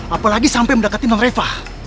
apalagi sampai mendekati nonreva